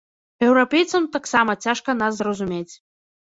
Еўрапейцам таксама цяжка нас зразумець.